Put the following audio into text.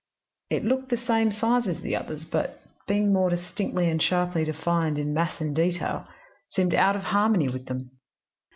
It looked the same size as the others, but, being more distinctly and sharply defined in mass and detail, seemed out of harmony with them.